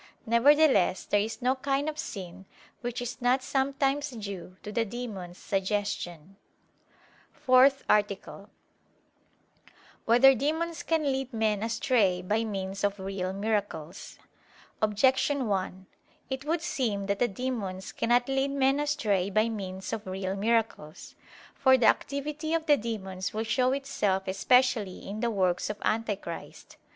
Nevertheless there is no kind of sin which is not sometimes due to the demons' suggestion. _______________________ FOURTH ARTICLE [I, Q. 114, Art. 4] Whether Demons Can Lead Men Astray by Means of Real Miracles? Objection 1: It would seem that the demons cannot lead men astray by means of real miracles. For the activity of the demons will show itself especially in the works of Antichrist.